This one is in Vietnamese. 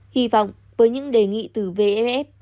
hy vọng với những đề nghị từ vff